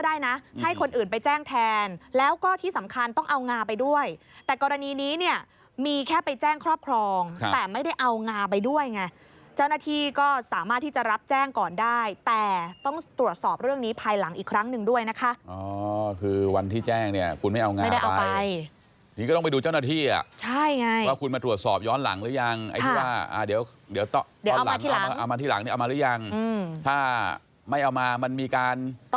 ก็ได้นะให้คนอื่นไปแจ้งแทนแล้วก็ที่สำคัญต้องเอางาไปด้วยแต่กรณีนี้เนี่ยมีแค่ไปแจ้งครอบครองแต่ไม่ได้เอางาไปด้วยไงเจ้าหน้าที่ก็สามารถที่จะรับแจ้งก่อนได้แต่ต้องตรวจสอบเรื่องนี้ภายหลังอีกครั้งหนึ่งด้วยนะค่ะอ๋อคือวันที่แจ้งเนี่ยคุณไม่เอางาไปไม่ได้เอาไปนี่ก็ต้องไปดูเจ้าหน้าที่อ่ะใช่ไงว่าคุณมา